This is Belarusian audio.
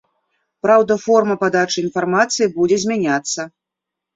Праўда, форма падачы інфармацыі будзе змяняцца.